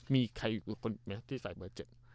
มีใครที่ใส่เบอร์๗